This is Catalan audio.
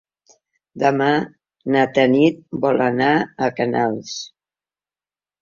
Demà na Tanit vol anar a Canals.